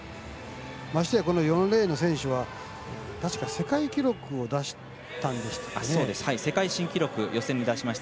ましては、４レーンの選手は確か世界記録を出したんですかね。